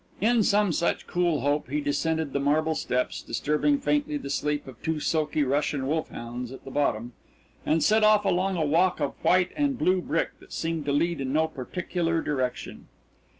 In some such cool hope he descended the marble steps, disturbing faintly the sleep of two silky Russian wolfhounds at the bottom, and set off along a walk of white and blue brick that seemed to lead in no particular direction.